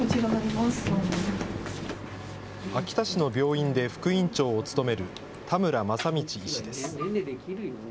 秋田市の病院で副院長を務める田村真通医師です。